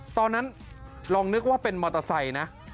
ตอนนั้นลองนึกว่าเป็นมอเตอร์ไซค์นะ